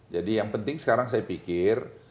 jadi yang penting sekarang saya pikir